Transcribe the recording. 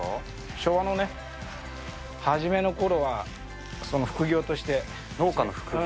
昭和の初めの頃は副業として。農家の副業？